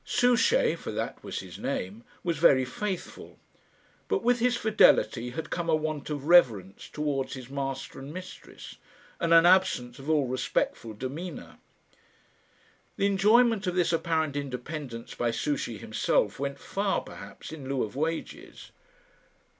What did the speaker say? Souchey for that was his name was very faithful, but with his fidelity had come a want of reverence towards his master and mistress, and an absence of all respectful demeanour. The enjoyment of this apparent independence by Souchey himself went far, perhaps, in lieu of wages.